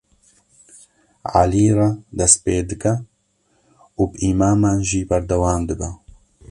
Elî re dest pê dike û bi îmaman jî berdewam dibe.